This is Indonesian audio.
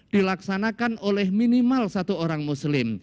dilaksanakan oleh minimal satu orang muslim